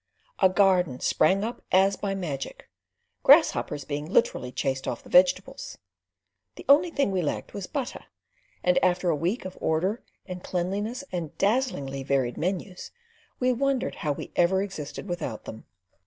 A garden sprang up as by magic, grasshoppers being literally chased off the vegetables. The only thing we lacked was butter; and after a week of order and cleanliness and dazzlingly varied menus, we wondered how we had ever existed without them.